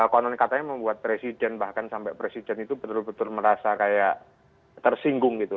konon katanya membuat presiden bahkan sampai presiden itu betul betul merasa kayak tersinggung gitu